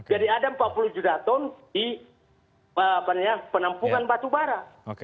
jadi ada empat puluh juta ton di penampungan batu barak